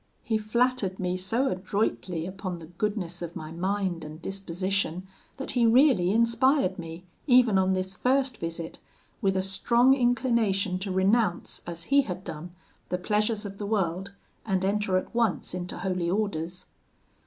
He flattered me so adroitly upon the goodness of my mind and disposition, that he really inspired me, even on this first visit, with a strong inclination to renounce, as he had done, the pleasures of the world, and enter at once into holy orders.